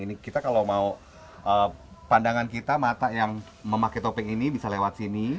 ini kita kalau mau pandangan kita mata yang memakai topping ini bisa lewat sini